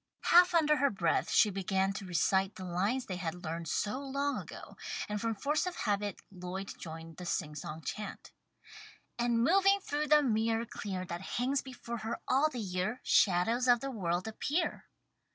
Half under her breath she began to recite the lines they had learned so long ago, and from force of habit Lloyd joined the sing song chant: "And moving through the mirror clear That hangs before her all the year, Shadows of the world appear."